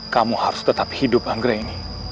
kamu harus tetap hidup anggrek ini